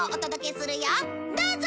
どうぞ！